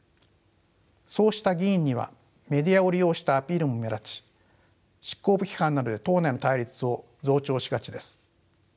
そうした議員にはメディアを利用したアピールも目立ち執行部批判などで党内の対立を増長しがちです。